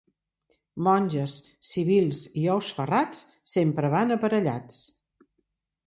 Monges, civils i ous ferrats sempre van aparellats.